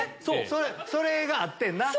それがあってんな！